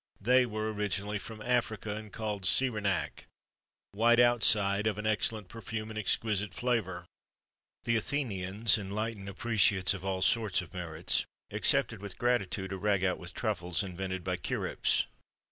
They were originally from Africa, and called cyrenaïc, white outside, of an excellent perfume, and exquisite flavour.[XXIII 99] The Athenians, enlightened appreciates of all sorts of merits, accepted with gratitude a ragoût with truffles, invented by Cherips.